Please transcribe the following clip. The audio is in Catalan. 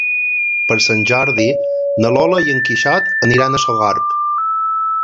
Per Sant Jordi na Lola i en Quixot aniran a Sogorb.